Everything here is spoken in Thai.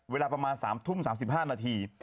เวลาประมาณ๓ทุ่ม๓๕นาที